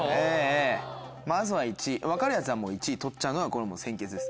まずは１位分かるやつはもう１位取っちゃうのが先決です。